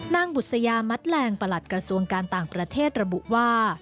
บุษยามัดแรงประหลัดกระทรวงการต่างประเทศระบุว่า